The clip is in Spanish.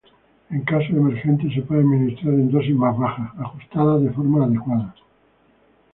En casos emergentes, se puede administrar en dosis más bajas, ajustadas de forma adecuada.